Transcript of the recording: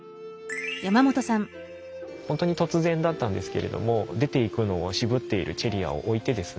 本当に突然だったんですけれども出ていくのを渋っているチェリアを置いてですね